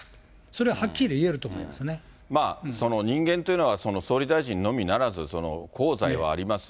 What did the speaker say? それははっきり言えると思います人間というのは、総理大臣のみならず、功罪はあります。